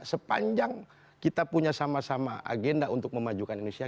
sepanjang kita punya sama sama agenda untuk memajukan indonesia